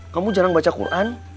kamu jarang baca quran